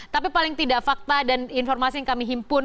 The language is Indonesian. tapi paling tidak fakta dan informasi yang kami himpun